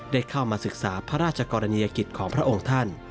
ได้เข้ามาศึกษาพระราชกรณียกิจของพระองค์ท่าน